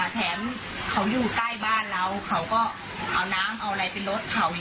แถมเขาอยู่ใกล้บ้านเราเขาก็เอาน้ำเอาอะไรเป็นรถเขา